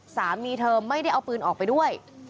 สามีเธอไม่ได้เอาปืนออกไปด้วย